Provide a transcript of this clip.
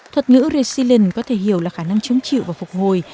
thuật ngữ recilin có thể hiểu là khả năng chống chịu và phục hồi